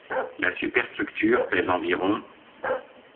La superstructure pèse environ s.